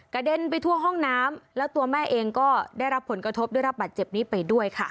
เด็นไปทั่วห้องน้ำแล้วตัวแม่เองก็ได้รับผลกระทบได้รับบัตรเจ็บนี้ไปด้วยค่ะ